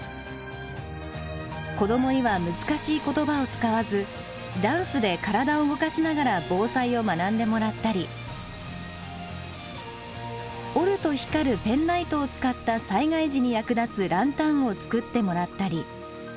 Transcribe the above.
子どもには難しい言葉を使わずダンスで体を動かしながら防災を学んでもらったり折ると光るペンライトを使った災害時に役立つランタンを作ってもらったり。